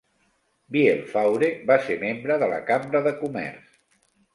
Vielfaure va ser membre de la Cambra de Comerç.